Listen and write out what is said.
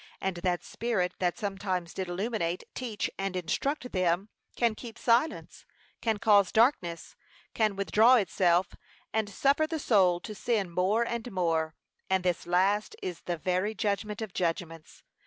And that Spirit that sometimes did illuminate, teach, and instruct them, can keep silence, can cause darkness, can withdraw itself, and suffer the soul to sin more and more; and this last is the very judgment of judgments.